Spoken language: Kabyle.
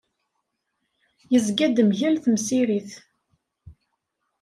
Yezga-d mgal temsirit.